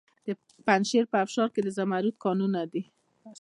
د پنجشیر په ابشار کې د زمرد کانونه دي.